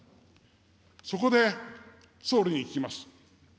そこで総理に聞きます。